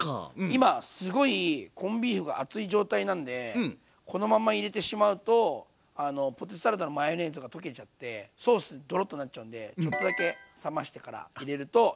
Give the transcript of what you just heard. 今すごいコンビーフが熱い状態なんでこのまんま入れてしまうとポテトサラダのマヨネーズが溶けちゃってソースドロッとなっちゃうんでちょっとだけ冷ましてから入れるといいと思います。